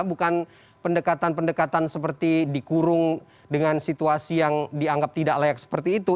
bukan pendekatan pendekatan seperti dikurung dengan situasi yang dianggap tidak layak seperti itu